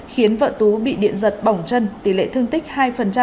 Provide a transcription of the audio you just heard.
khiến vợ tú bị điện giật bỏng chân tỷ lệ thương tích hai